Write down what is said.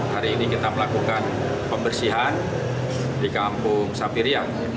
hari ini kita melakukan pembersihan di kampung sapiriah